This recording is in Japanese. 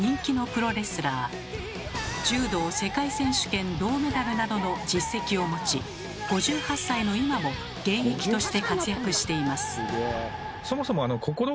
柔道世界選手権銅メダルなどの実績を持ち５８歳の今も現役として活躍しています。